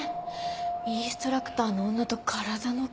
インストラクターの女と体の関係。